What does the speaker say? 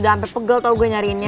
udah ampe pegel tau gue nyariinnya